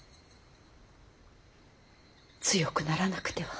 強くならなくては。